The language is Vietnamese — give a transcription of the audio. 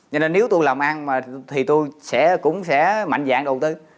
cho nên nếu tôi làm ăn mà thì tôi cũng sẽ mạnh dạng đầu tư